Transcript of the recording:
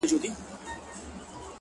شکر دی گراني چي زما له خاندانه نه يې؛